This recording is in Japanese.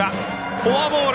フォアボール。